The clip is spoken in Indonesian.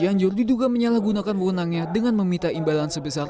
tangan cianjur diduga menyalahgunakan wew mengangganya dengan meminta imbalan sebesar